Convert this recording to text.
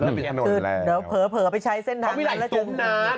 เริ่มปิดถนนแหละนะครับเดี๋ยวเผลอไปใช้เส้นทางนั้นแล้วเจอกันนะครับใช่มีหลายสงครรภ์นะ